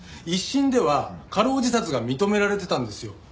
一審では過労自殺が認められてたんですよ。